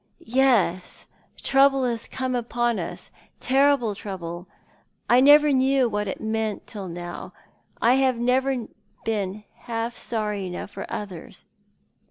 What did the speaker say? " Yes, trouble has come upon us — terrible trouble. I never knew what it meant till now. I have never been half sorry enough for others."